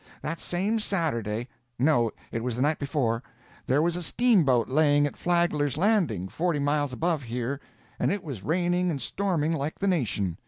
That same Saturday—no, it was the night before—there was a steamboat laying at Flagler's Landing, forty miles above here, and it was raining and storming like the nation.